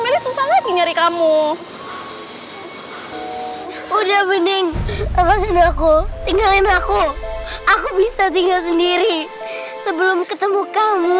ini susah lagi nyari kamu udah bening tinggalin aku aku bisa tinggal sendiri sebelum ketemu kamu